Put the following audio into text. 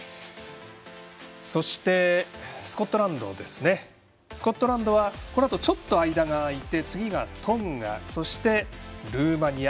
そして、スコットランドはこのあと、ちょっと間が空いて次がトンガ、そしてルーマニア。